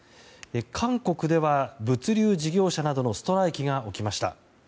韓国では物流事業者などのストライキが起きました。